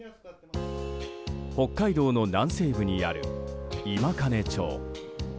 北海道の南西部にある今金町。